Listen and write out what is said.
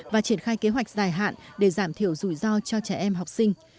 và triển khai kế hoạch dài hạn để giảm thiểu rủi ro cho trẻ em học sinh